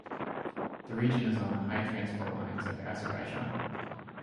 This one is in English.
The region is on the high transport lines of Azerbaijan.